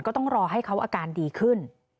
ก็ต้องรอให้เขาอาการดีขึ้น